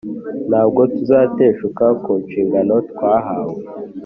Ntabwo tuzateshuka ku nshingano twahawe